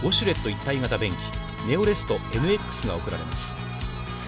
一体形便器、ネオレストＮＸが贈られます。